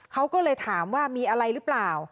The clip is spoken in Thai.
เขาก็เลยถามว่ามีอะไรหรือเปล่า